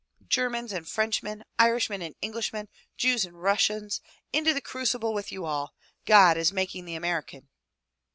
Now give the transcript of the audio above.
Germans and Frenchmen, Irishmen and Englishmen, Jews and Russians, into the crucible with you all! God is making the American!''